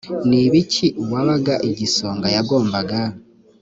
ni ibiki uwabaga igisonga yagombaga